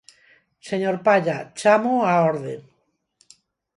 Señor Palla, chámoo á orde.